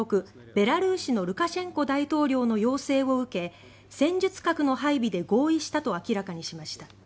ベラルーシのルカシェンコ大統領の要請を受け戦術核の配備で合意したと明らかにしました。